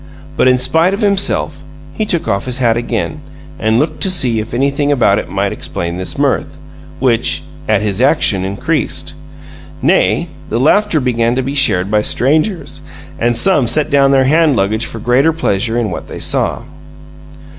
But, in spite of himself, he took off his hat again, and looked to see if anything about it might explain this mirth, which, at his action, increased. Nay, the laughter began to be shared by strangers; and some set down their hand luggage for greater pleasure in what they saw.